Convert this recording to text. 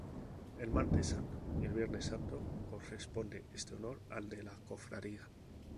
El Martes Santo y el Viernes Santo corresponde este honor al de la Cofradía.